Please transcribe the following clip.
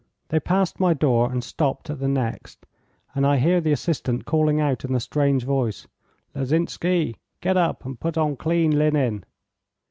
They passed my door and stopped at the next, and I hear the assistant calling out in a strange voice: 'Lozinsky, get up and put on clean linen.